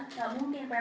di sini pak